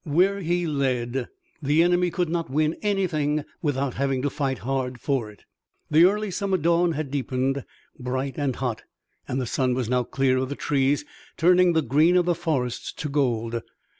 Where he led the enemy could not win anything without having to fight hard for it. The early summer dawn had deepened, bright and hot, and the sun was now clear of the trees, turning the green of the forests to gold.